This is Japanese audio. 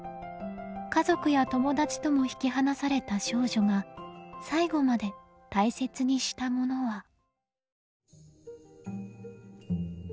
家族や友だちとも引き離された少女が最後まで大切にしたものは。